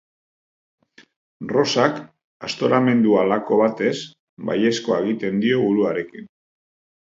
Rosak, aztoramendu halako batez, baiezkoa egiten dio buruarekin.